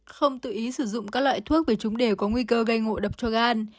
không tự ý sử dụng các loại thuốc vì chúng đều có nguy cơ gây ngộ đập cho gan